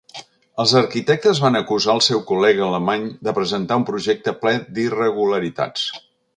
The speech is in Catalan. Els arquitectes van acusar el seu col·lega alemany de presentar un projecte ple d'irregularitats.